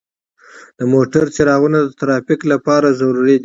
د موټرو څراغونه د ترافیک لپاره ضروري دي.